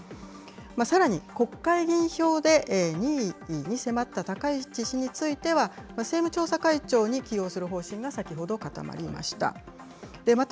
さらに国会議員票で２位に迫った高市氏については、政務調査会長に起用する方針が先ほど固まりました。